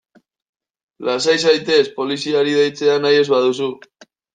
Lasai zaitez poliziari deitzea nahi ez baduzu.